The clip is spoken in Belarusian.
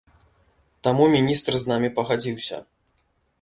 Таму міністр з намі пагадзіўся.